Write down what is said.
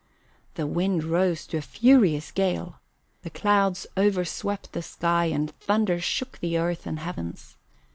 The wind rose to a furious gale; the clouds overswept the sky and thunder shook the earth and heavens.